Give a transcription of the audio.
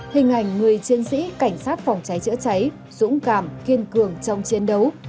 hình ảnh người chiến sĩ cảnh sát phòng cháy chữa cháy dũng cảm kiên cường trong chiến đấu